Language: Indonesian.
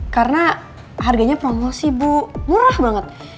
karena harganya promosi ibu murah banget